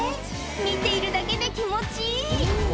見ているだけで気持ちいい。